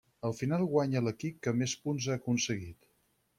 Al final guanya l’equip que més punts ha aconseguit.